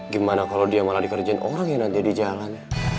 gimana kalo dia malah dikerjin orang yang nanti di jalan